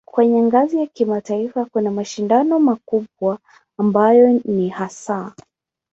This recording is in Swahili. Kwenye ngazi ya kimataifa kuna mashindano makubwa ambayo ni hasa